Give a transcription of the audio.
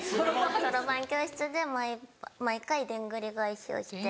そろばん教室で毎回でんぐり返しをして。